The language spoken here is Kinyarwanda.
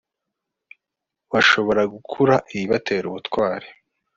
bashobora gukura ibibatera ubutwari